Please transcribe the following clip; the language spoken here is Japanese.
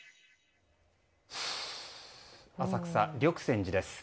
浅草・緑泉寺です。